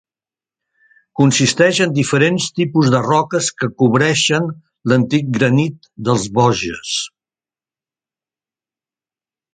Consisteix en diferents tipus de roques que cobreixen l'antic granit dels Vosges.